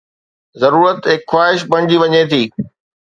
ضرورت هڪ خواهش بڻجي وڃي ٿي.